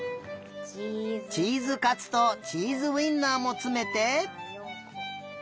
チーズかつとチーズウインナーもつめて。